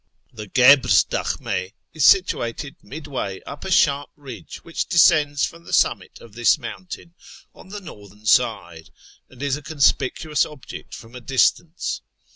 The Guebres' dahhmi is situated midway up a sharp ridge which descends from the summit of this mountain on the northern side, and is a conspicuous object from a distance.